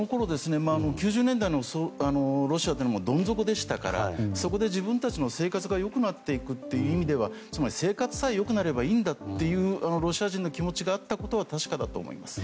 ９０年代のロシアはどん底でしたからそこで自分たちの生活が良くなっていくという意味では生活さえ良くなればいいんだというロシア人の気持ちがあったのは確かだと思います。